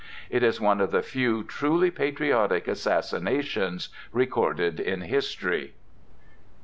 It is one of the few truly patriotic assassinations recorded in history.